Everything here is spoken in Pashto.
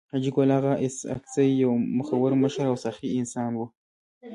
حاجي ګل اغا اسحق زی يو مخور مشر او سخي انسان وو.